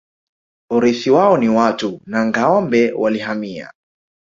Urithi wao ni watu na ngâombe Walihamia